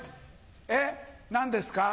えっ何ですか？